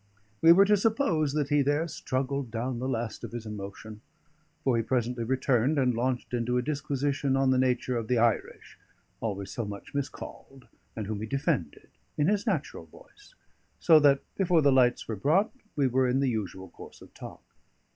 We were to suppose that he there struggled down the last of his emotion; for he presently returned and launched into a disquisition on the nature of the Irish (always so much miscalled, and whom he defended) in his natural voice; so that, before the lights were brought, we were in the usual course of talk.